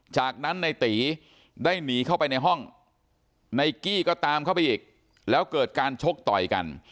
จากนั้นในตีได้หนีเข้าไปในห้องนายกี้ก็ตามเข้าไปอีกแล้วเกิดการชกต่อยกัน